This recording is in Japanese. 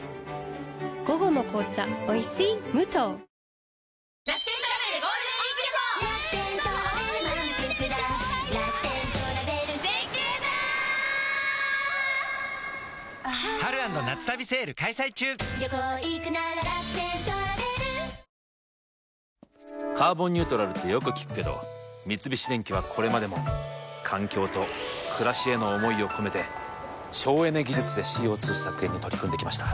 午後の紅茶おいしい無糖「カーボンニュートラル」ってよく聞くけど三菱電機はこれまでも環境と暮らしへの思いを込めて省エネ技術でＣＯ２削減に取り組んできました。